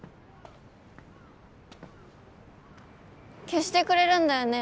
消してくれるんだよね？